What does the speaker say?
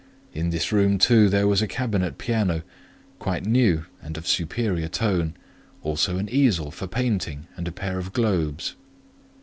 In this room, too, there was a cabinet piano, quite new and of superior tone; also an easel for painting and a pair of globes.